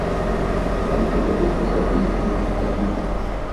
وَلِقِلَّةِ الثِّقَةِ بِهِ مُسْتَكِينٌ